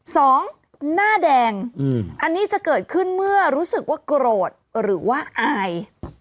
สองหน้าแดงอันนี้จะเกิดขึ้นเมื่อรู้สึกว่าโกรธหรือว่าอาย